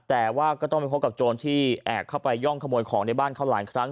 แต่ว่าก็ต้องไปพบกับโจรที่แอบเข้าไปย่องขโมยของในบ้านเขาหลายครั้ง